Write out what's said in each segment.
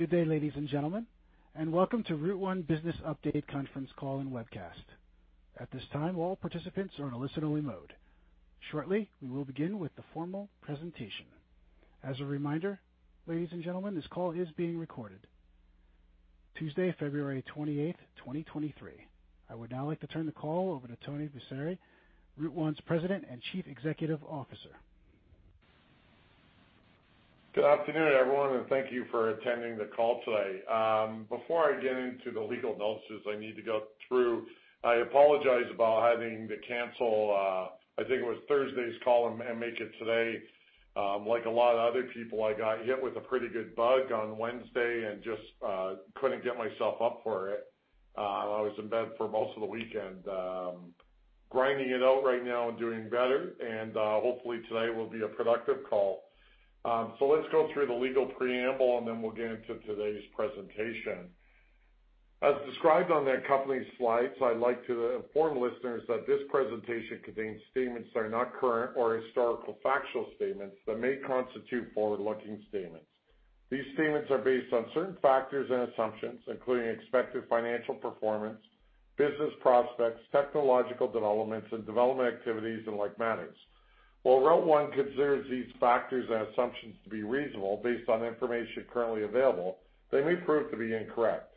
Good day, ladies and gentlemen, and welcome to Route1 Business Update conference call and webcast. At this time, all participants are in a listen-only mode. Shortly, we will begin with the formal presentation. As a reminder, ladies and gentlemen, this call is being recorded. Tuesday, February 28th, 2023. I would now like to turn the call over to Tony Busseri, Route1's President and Chief Executive Officer. Good afternoon, everyone, and thank you for attending the call today. Before I get into the legal notices I need to go through, I apologize about having to cancel, I think it was Thursday's call and make it today. Like a lot of other people, I got hit with a pretty good bug on Wednesday and just couldn't get myself up for it. I was in bed for most of the weekend, grinding it out right now and doing better and hopefully today will be a productive call. Let's go through the legal preamble, and then we'll get into today's presentation. As described on the accompanying slides, I'd like to inform listeners that this presentation contains statements that are not current or historical factual statements that may constitute forward-looking statements. These statements are based on certain factors and assumptions, including expected financial performance, business prospects, technological developments, and development activities and like matters. While Route1 considers these factors and assumptions to be reasonable based on information currently available, they may prove to be incorrect.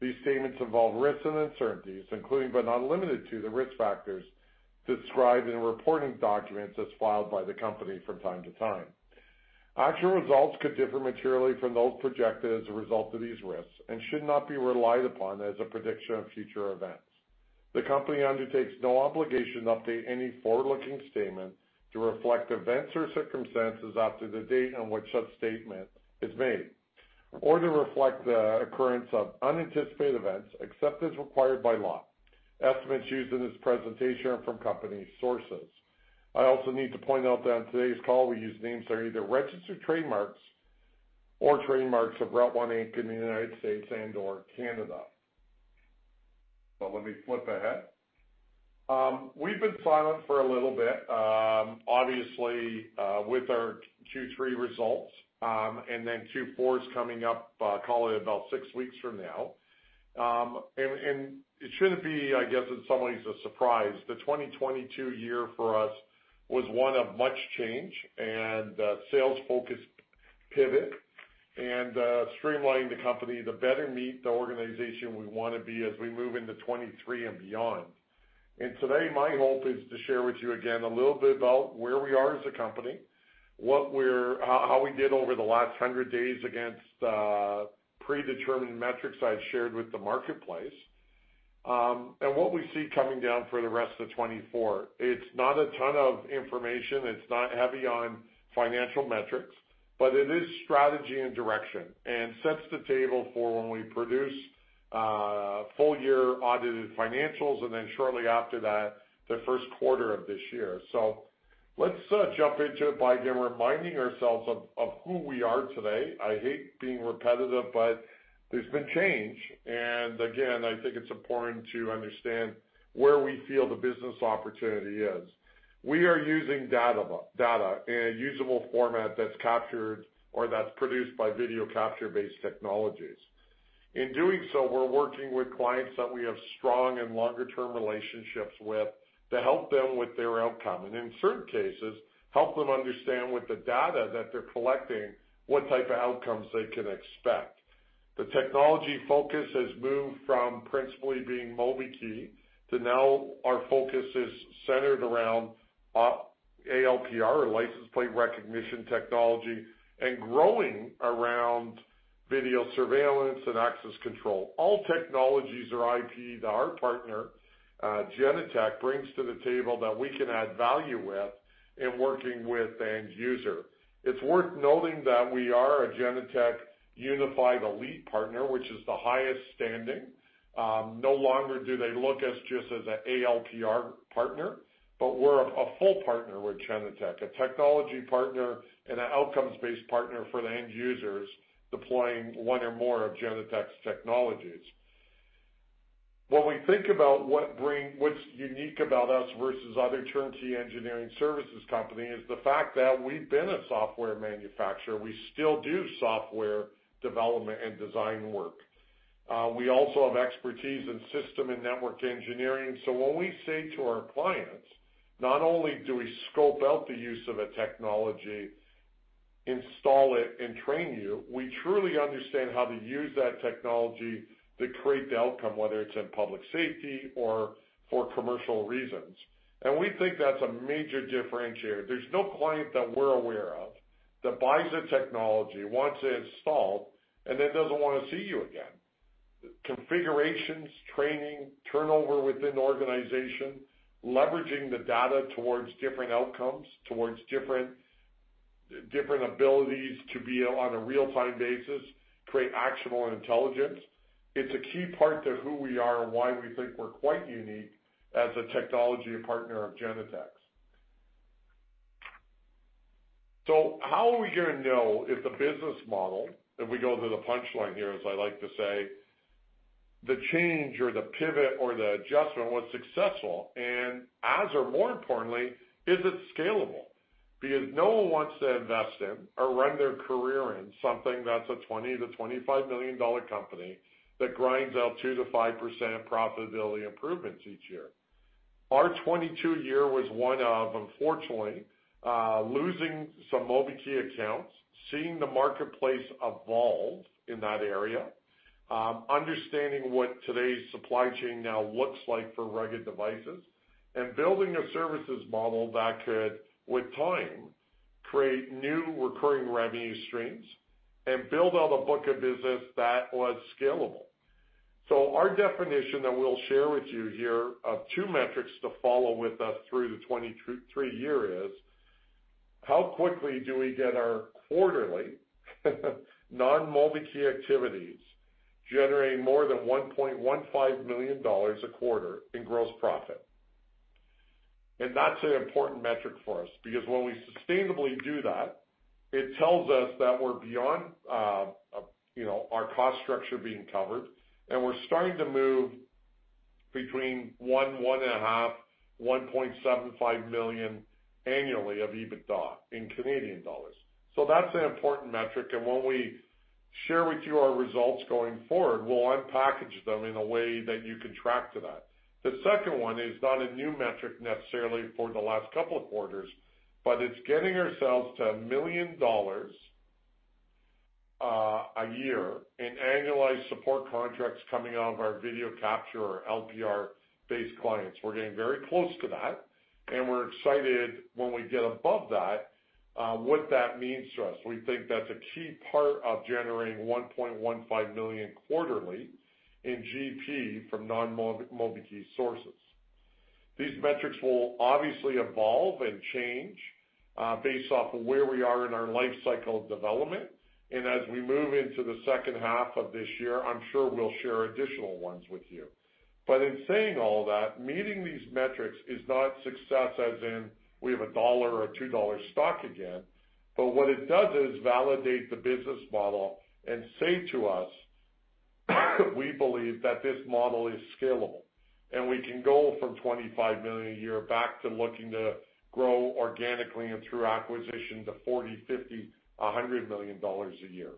These statements involve risks and uncertainties, including but not limited to, the risk factors described in reporting documents as filed by the company from time to time. Actual results could differ materially from those projected as a result of these risks and should not be relied upon as a prediction of future events. The company undertakes no obligation to update any forward-looking statement to reflect events or circumstances after the date on which such statement is made or to reflect the occurrence of unanticipated events, except as required by law. Estimates used in this presentation are from company sources. I also need to point out that on today's call we use names that are either registered trademarks or trademarks of Route1 Inc. in the United States and/or Canada. Let me flip ahead. We've been silent for a little bit, obviously, with our Q3 results, and then Q4 is coming up, call it about six weeks from now. It shouldn't be, I guess, in some ways a surprise. The 2022 year for us was one of much change and a sales-focused pivot and streamlining the company to better meet the organization we wanna be as we move into 2023 and beyond. Today, my hope is to share with you again a little bit about where we are as a company, what we're... how we did over the last 100 days against predetermined metrics I'd shared with the marketplace, and what we see coming down for the rest of 2024. It's not a ton of information. It's not heavy on financial metrics, but it is strategy and direction and sets the table for when we produce full year audited financials, and then shortly after that, the first quarter of this year. Let's jump into it by, again, reminding ourselves of who we are today. I hate being repetitive, but there's been change. Again, I think it's important to understand where we feel the business opportunity is. We are using data in a usable format that's captured or that's produced by video capture-based technologies. In doing so, we're working with clients that we have strong and longer-term relationships with to help them with their outcome, and in certain cases, help them understand with the data that they're collecting, what type of outcomes they can expect. The technology focus has moved from principally being MobiKEY to now our focus is centered around ALPR or license plate recognition technology and growing around video surveillance and access control. All technologies or IP that our partner, Genetec, brings to the table that we can add value with in working with the end user. It's worth noting that we are a Genetec Unified Elite partner, which is the highest standing. No longer do they look at us just as an ALPR partner, but we're a full partner with Genetec, a technology partner and an outcomes-based partner for the end users deploying one or more of Genetec's technologies. When we think about what's unique about us versus other turnkey engineering services company is the fact that we've been a software manufacturer. We still do software development and design work. We also have expertise in system and network engineering. When we say to our clients, "Not only do we scope out the use of a technology, install it and train you, we truly understand how to use that technology to create the outcome, whether it's in public safety or for commercial reasons." We think that's a major differentiator. There's no client that we're aware of that buys a technology, wants it installed, and then doesn't wanna see you again. Configurations, training, turnover within the organization, leveraging the data towards different outcomes, towards different abilities to be on a real-time basis, create actionable intelligence. It's a key part to who we are and why we think we're quite unique as a technology partner of Genetec's. How are we gonna know if the business model, if we go to the punchline here, as I like to say. The change or the pivot or the adjustment was successful. As or more importantly, is it scalable? No one wants to invest in or run their career in something that's a 20 million-25 million dollar company that grinds out 2%-5% profitability improvements each year. Our 2022 year was one of, unfortunately, losing some MobiKEY accounts, seeing the marketplace evolve in that area, understanding what today's supply chain now looks like for rugged devices, and building a services model that could, with time, create new recurring revenue streams and build out a book of business that was scalable. Our definition that we'll share with you here of two metrics to follow with us through the 2023 year is how quickly do we get our quarterly non-MobiKEY activities generating more than 1.15 million dollars a quarter in gross profit? That's an important metric for us because when we sustainably do that, it tells us that we're beyond, you know, our cost structure being covered, and we're starting to move between 1 million, CAD 1.5 million, 1.75 million annually of EBITDA in Canadian dollars. That's an important metric, and when we share with you our results going forward, we'll unpackage them in a way that you can track to that. The second one is not a new metric necessarily for the last couple of quarters, but it's getting ourselves to 1 million dollars a year in annualized support contracts coming out of our video capture or LPR-based clients. We're getting very close to that, and we're excited when we get above that, what that means to us. We think that's a key part of generating 1.15 million quarterly in GP from MobiKEY sources. These metrics will obviously evolve and change based off of where we are in our lifecycle of development. As we move into the second half of this year, I'm sure we'll share additional ones with you. In saying all that, meeting these metrics is not success as in we have a CAD 1 or a 2 dollar stock again. What it does is validate the business model and say to us, we believe that this model is scalable, and we can go from 25 million a year back to looking to grow organically and through acquisition to 40 million, 50 million, 100 million dollars a year.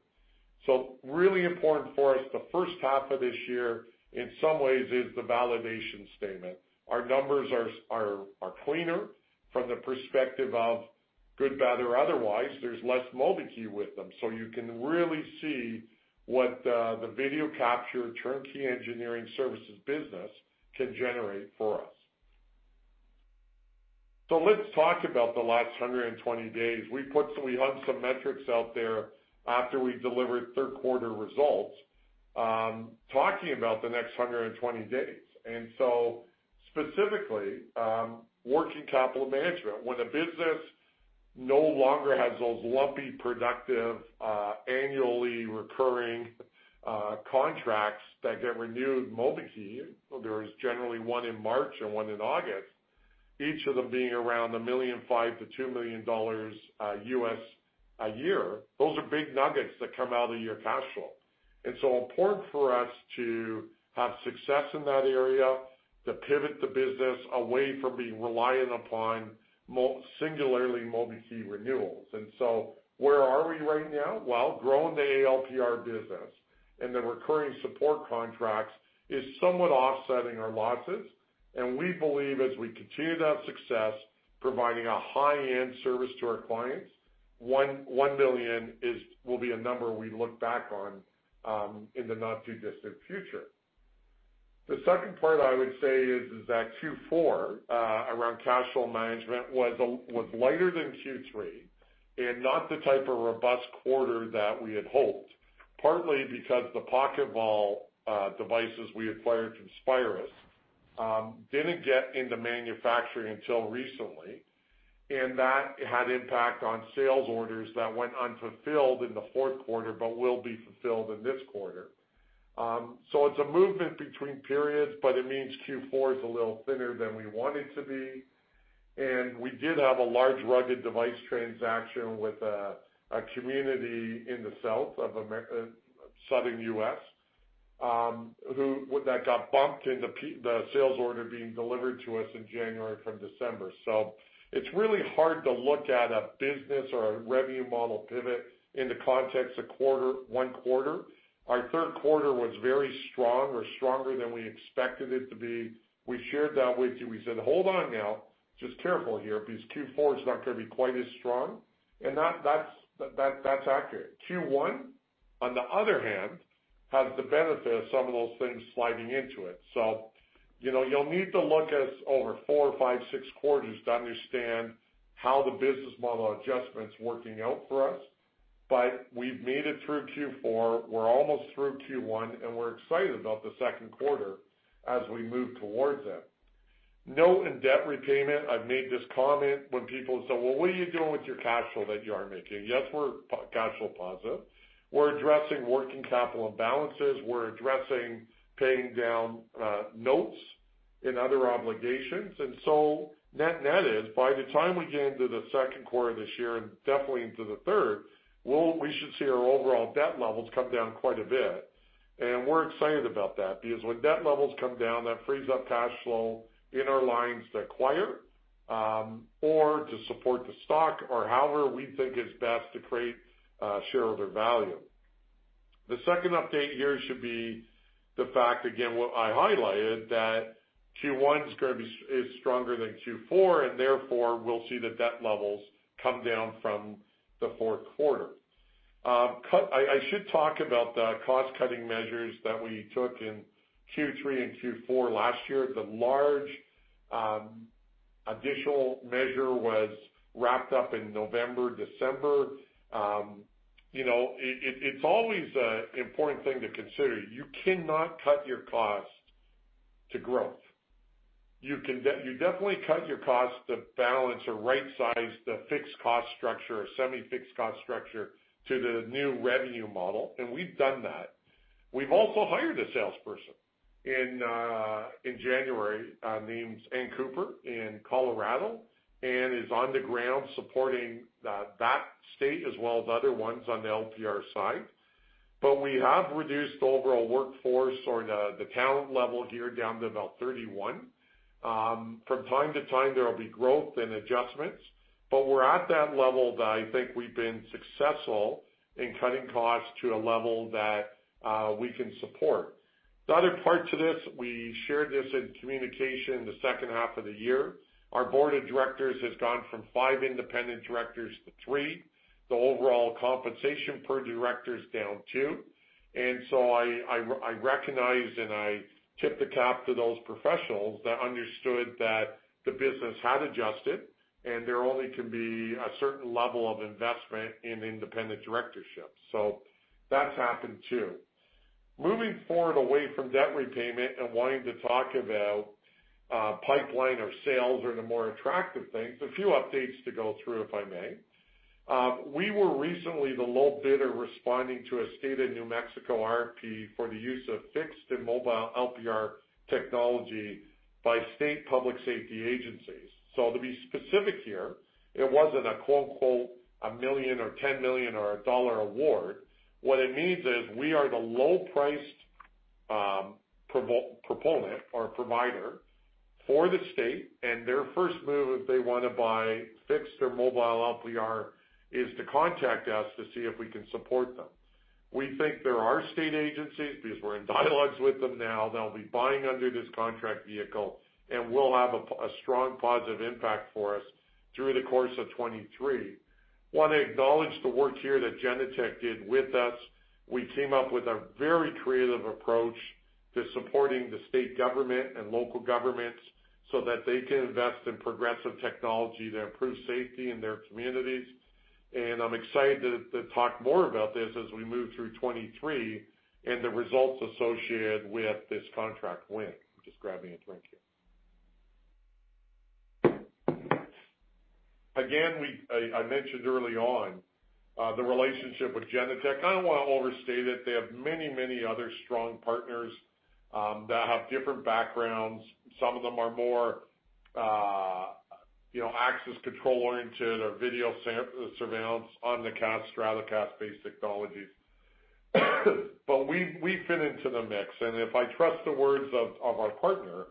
Really important for us, the first half of this year in some ways is the validation statement. Our numbers are cleaner from the perspective of good, bad, or otherwise. There's less MobiKEY with them, so you can really see what the video capture turnkey engineering services business can generate for us. Let's talk about the last 120 days. We hung some metrics out there after we delivered third quarter results, talking about the next 120 days. Specifically, working capital management. When a business no longer has those lumpy, productive, annually recurring contracts that get renewed MobiKEY, there is generally one in March and one in August, each of them being around $1.5 million-$2 million U.S. a year. Those are big nuggets that come out of your cash flow. Important for us to have success in that area, to pivot the business away from being reliant upon singularly MobiKEY renewals. Where are we right now? Well, growing the ALPR business and the recurring support contracts is somewhat offsetting our losses. We believe as we continue that success, providing a high-end service to our clients, 1 million will be a number we look back on in the not-too-distant future. The second part I would say is that Q4 around cash flow management was lighter than Q3 and not the type of robust quarter that we had hoped, partly because the PocketVault devices we acquired from Spyrus didn't get into manufacturing until recently, and that had impact on sales orders that went unfulfilled in the fourth quarter, but will be fulfilled in this quarter. It's a movement between periods, but it means Q4 is a little thinner than we want it to be, and we did have a large rugged device transaction with a community in the South of southern U.S. that got bumped into the sales order being delivered to us in January from December. It's really hard to look at a business or a revenue model pivot in the context of one quarter. Our third quarter was very strong or stronger than we expected it to be. We shared that with you. We said, "Hold on now, just careful here because Q4 is not gonna be quite as strong." That's accurate. Q1, on the other hand, has the benefit of some of those things sliding into it. You know, you'll need to look at us over four, five, six quarters to understand how the business model adjustment's working out for us. We've made it through Q4, we're almost through Q1, and we're excited about the second quarter as we move towards it. Note in debt repayment, I've made this comment when people say, "Well, what are you doing with your cash flow that you are making?" Yes, we're cash flow positive. We're addressing working capital imbalances. We're addressing paying down notes. In other obligations. Net net is by the time we get into the second quarter of this year, and definitely into the third, we should see our overall debt levels come down quite a bit. We're excited about that because when debt levels come down, that frees up cash flow in our lines to acquire, or to support the stock or however we think is best to create shareholder value. The second update here should be the fact, again, what I highlighted, that Q1 is gonna be stronger than Q4, and therefore, we'll see the debt levels come down from the fourth quarter. I should talk about the cost-cutting measures that we took in Q3 and Q4 last year. The large additional measure was wrapped up in November, December. You know, it's always a important thing to consider. You cannot cut your costs to growth. You can you definitely cut your costs to balance or right-size the fixed cost structure or semi-fixed cost structure to the new revenue model, and we've done that. We've also hired a salesperson in January named Ann Cooper in Colorado and is on the ground supporting that state as well as other ones on the LPR side. We have reduced overall workforce or the talent level here down to about 31. From time to time, there will be growth and adjustments, but we're at that level that I think we've been successful in cutting costs to a level that we can support. The other part to this, we shared this in communication the second half of the year. Our board of directors has gone from five independent directors to three. The overall compensation per director is down two. I recognize, and I tip the cap to those professionals that understood that the business had adjusted, and there only can be a certain level of investment in independent directorship. That's happened too. Moving forward away from debt repayment and wanting to talk about pipeline of sales or the more attractive things, a few updates to go through, if I may. We were recently the low bidder responding to a state of New Mexico RFP for the use of fixed and mobile LPR technology by state public safety agencies. To be specific here, it wasn't a quote, $1 million or $10 million or a $1 award. What it means is we are the low-priced proponent or provider for the state, and their first move if they wanna buy fixed or mobile LPR is to contact us to see if we can support them. We think there are state agencies because we're in dialogues with them now that'll be buying under this contract vehicle, and we'll have a strong positive impact for us through the course of 2023. Wanna acknowledge the work here that Genetec did with us. We came up with a very creative approach to supporting the state government and local governments so that they can invest in progressive technology that improves safety in their communities. I'm excited to talk more about this as we move through 2023 and the results associated with this contract win. I'm just grabbing a drink here. Again, I mentioned early on, the relationship with Genetec. I don't wanna overstate it. They have many, many other strong partners that have different backgrounds. Some of them are more, you know, access control-oriented or video surveillance on the cast, Stratocast-based technologies. We fit into the mix. If I trust the words of our partner,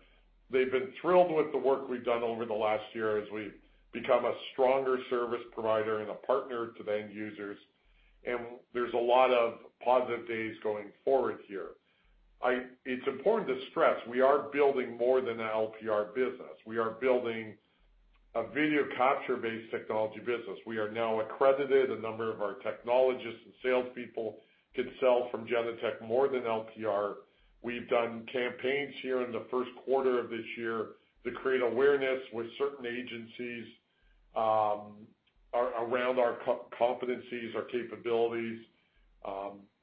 they've been thrilled with the work we've done over the last year as we've become a stronger service provider and a partner to the end users. There's a lot of positive days going forward here. It's important to stress, we are building more than a LPR business. We are building a video capture-based technology business. We are now accredited. A number of our technologists and salespeople can sell from Genetec more than LPR. We've done campaigns here in the 1st quarter of this year to create awareness with certain agencies, around our competencies, our capabilities.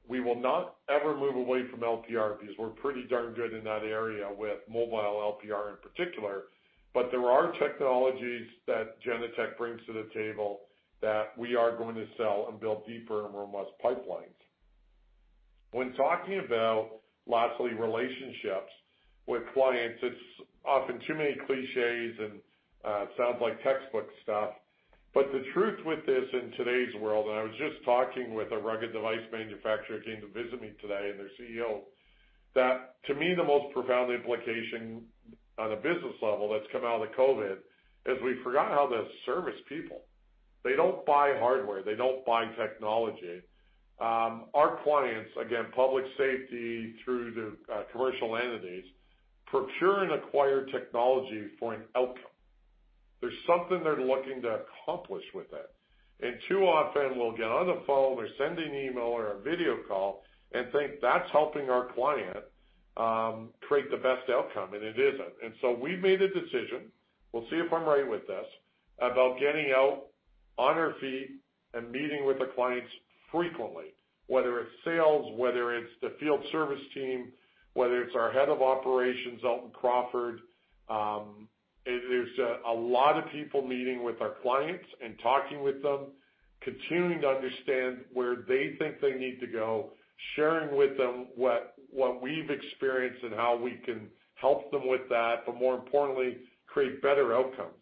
We will not ever move away from LPR because we're pretty darn good in that area with mobile LPR in particular. There are technologies that Genetec brings to the table that we are going to sell and build deeper and more robust pipelines. When talking about, lastly, relationships with clients, it's often too many cliches, and it sounds like textbook stuff. The truth with this in today's world, and I was just talking with a rugged device manufacturer who came to visit me today and their CEO, that to me, the most profound implication on a business level that's come out of the COVID is we forgot how to service people. They don't buy hardware. They don't buy technology. Our clients, again, public safety through to commercial entities, procure and acquire technology for an outcome. There's something they're looking to accomplish with it. Too often, we'll get on the phone or send an email or a video call and think that's helping our client create the best outcome, and it isn't. We've made a decision, we'll see if I'm right with this, about getting out on our feet and meeting with the clients frequently, whether it's sales, whether it's the field service team, whether it's our head of operations, Elton Crawford. There's a lot of people meeting with our clients and talking with them. Continuing to understand where they think they need to go, sharing with them what we've experienced and how we can help them with that, but more importantly, create better outcomes.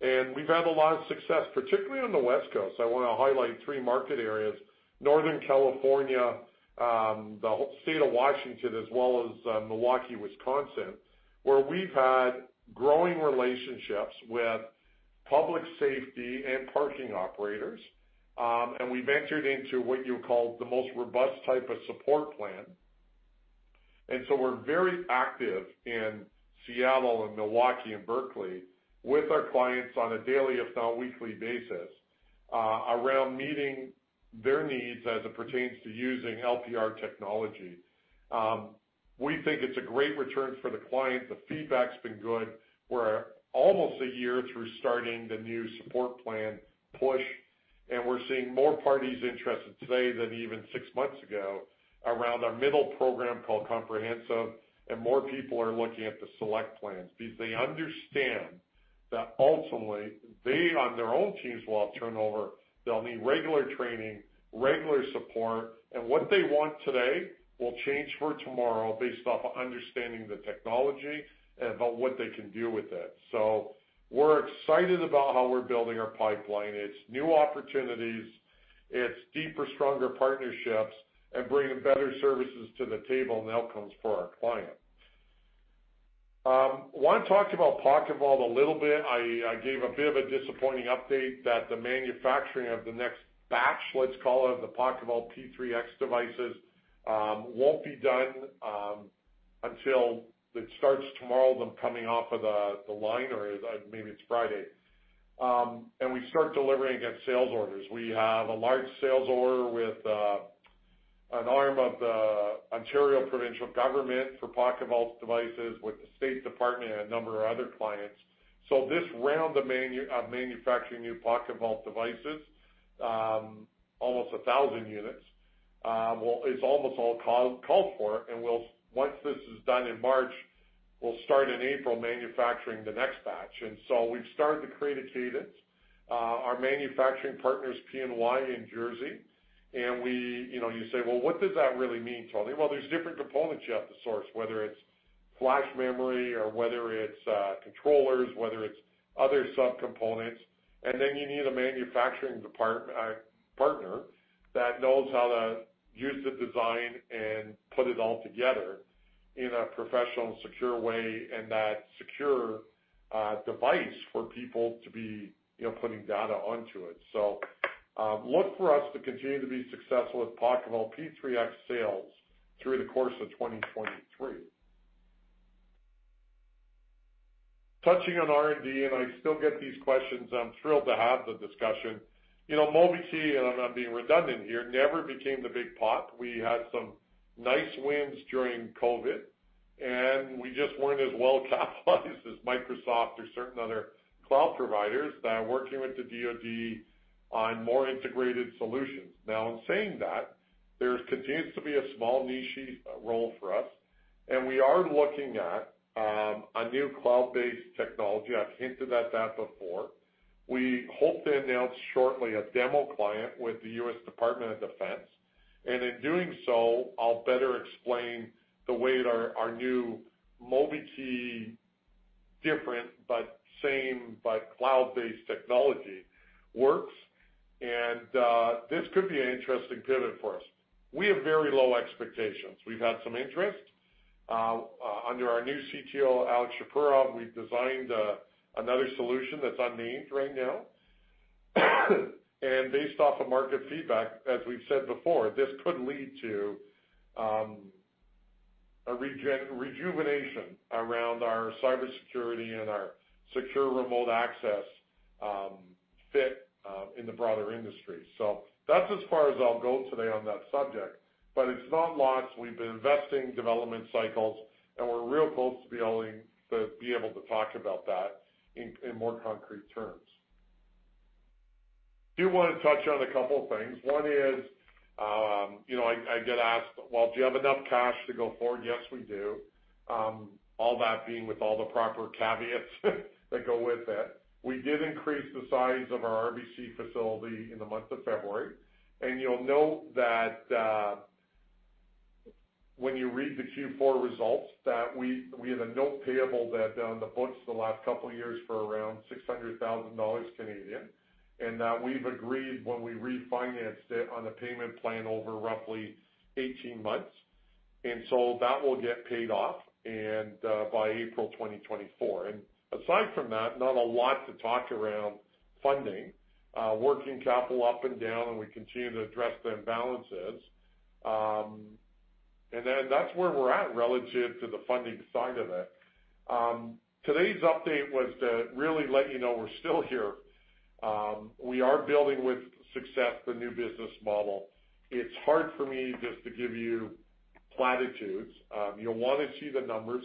We've had a lot of success, particularly on the West Coast. I want to highlight three market areas, Northern California, the whole State of Washington as well as Milwaukee, Wisconsin, where we've had growing relationships with public safety and parking operators. We ventured into what you call the most robust type of support plan. So we're very active in Seattle and Milwaukee and Berkeley with our clients on a daily, if not weekly basis, around meeting their needs as it pertains to using LPR technology. We think it's a great return for the client. The feedback's been good. We're almost a year through starting the new support plan push, and we're seeing more parties interested today than even six months ago around our middle program called COMPREHENSIVE. More people are looking at the select plans because they understand that ultimately they, on their own teams, will have turnover. They'll need regular training, regular support, and what they want today will change for tomorrow based off of understanding the technology and about what they can do with it. We're excited about how we're building our pipeline. It's new opportunities, it's deeper, stronger partnerships, and bringing better services to the table and outcomes for our client. Want to talk about PocketVault a little bit. I gave a bit of a disappointing update that the manufacturing of the next batch, let's call it, of the PocketVault P-3X devices, won't be done until. It starts tomorrow, them coming off of the line or maybe it's Friday. We start delivering against sales orders. We have a large sales order with an arm of the Ontario provincial government for PocketVault's devices with the State Department and a number of other clients. This round of manufacturing new PocketVault devices, almost 1,000 units, well, it's almost all called for. Once this is done in March, we'll start in April manufacturing the next batch. We've started to create a cadence. Our manufacturing partner is PNY in Jersey, and we... You know, you say, "Well, what does that really mean, Tony?" There's different components you have to source, whether it's flash memory or whether it's controllers, whether it's other subcomponents, and then you need a manufacturing partner that knows how to use the design and put it all together in a professional and secure way, and that secure device for people to be, you know, putting data onto it. Look for us to continue to be successful with PocketVault P-3X sales through the course of 2023. Touching on R&D, and I still get these questions, I'm thrilled to have the discussion. You know, MobiKEY, and I'm not being redundant here, never became the big pot. We had some nice wins during COVID, and we just weren't as well capitalized as Microsoft or certain other cloud providers that are working with the DoD on more integrated solutions. Now, in saying that, there continues to be a small niche-y role for us, and we are looking at a new cloud-based technology. I've hinted at that before. We hope to announce shortly a demo client with the U.S. Department of Defense. In doing so, I'll better explain the way that our new MobiKEY different, but same, but cloud-based technology works. This could be an interesting pivot for us. We have very low expectations. We've had some interest under our new CTO, Alex Shapurov, we've designed another solution that's unnamed right now. Based off of market feedback, as we've said before, this could lead to a rejuvenation around our cybersecurity and our secure remote access fit in the broader industry. That's as far as I'll go today on that subject. It's not lost. We've been investing development cycles, and we're real close to be able to talk about that in more concrete terms. Do wanna touch on a couple of things. One is, you know, I get asked, "Well, do you have enough cash to go forward?" Yes, we do. All that being with all the proper caveats that go with it. We did increase the size of our RBC facility in the month of February. You'll note that, when you read the Q4 results, that we had a note payable that on the books the last couple of years for around 600,000 Canadian dollars, and that we've agreed, when we refinanced it, on a payment plan over roughly 18 months. That will get paid off and by April 2024. Aside from that, not a lot to talk around funding. Working capital up and down, and we continue to address the imbalances. That's where we're at relative to the funding side of it. Today's update was to really let you know we're still here. We are building with success the new business model. It's hard for me just to give you platitudes. You'll wanna see the numbers.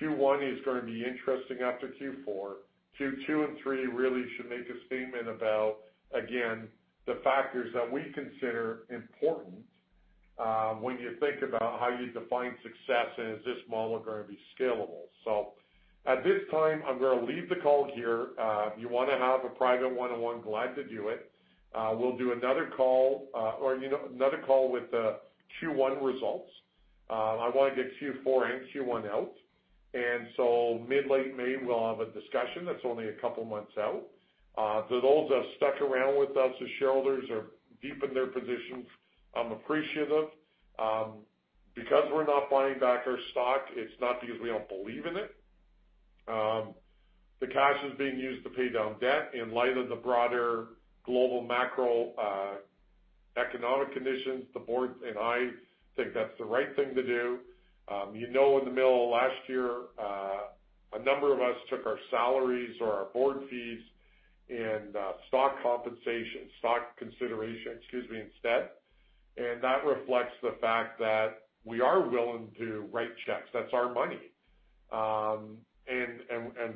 Q1 is gonna be interesting after Q4. Q2 and Q3 really should make a statement about, again, the factors that we consider important, when you think about how you define success and is this model gonna be scalable. At this time I'm gonna leave the call here. If you wanna have a private one-on-one, glad to do it. We'll do another call, or you know, another call with the Q1 results. I wanna get Q4 and Q1 out. Mid, late May, we'll have a discussion that's only a couple of months out. To those that stuck around with us as shareholders or deep in their positions, I'm appreciative. Because we're not buying back our stock, it's not because we don't believe in it. The cash is being used to pay down debt. In light of the broader global macro economic conditions, the board and I think that's the right thing to do. You know, in the middle of last year, a number of us took our salaries or our board fees and stock compensation, stock consideration, excuse me, instead. That reflects the fact that we are willing to write checks. That's our money.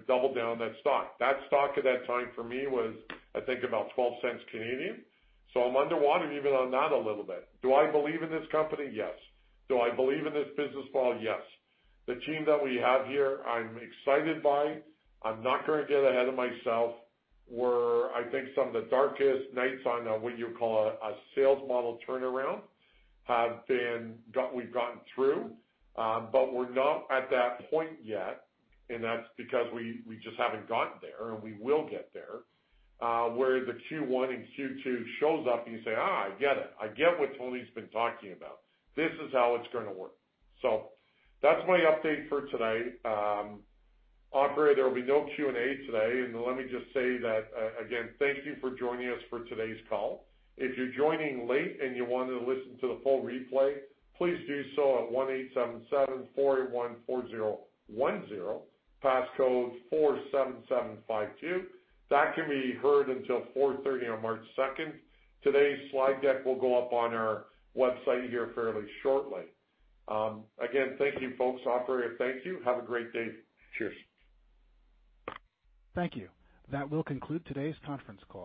Double down on that stock. That stock at that time for me was, I think, about 0.12, so I'm underwater even on that a little bit. Do I believe in this company? Yes. Do I believe in this business model? Yes. The team that we have here, I'm excited by. I'm not gonna get ahead of myself. I think some of the darkest nights on a, what you call a sales model turnaround, we've gotten through, but we're not at that point yet. That's because we just haven't gotten there. We will get there, where the Q1 and Q2 shows up and you say, "I get it. I get what Tony's been talking about. This is how it's gonna work." That's my update for today. Operator, there will be no Q&A today. Let me just say that, again, thank you for joining us for today's call. If you're joining late and you want to listen to the full replay, please do so at 1-877-481-4010, passcode 47752. That can be heard until 4:30 on March 2nd. Today's slide deck will go up on our website here fairly shortly. Again, thank you, folks. Operator, thank you. Have a great day. Cheers. Thank you. That will conclude today's conference call.